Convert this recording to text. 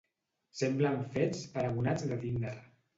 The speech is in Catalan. Semblen fets per abonats de Tinder.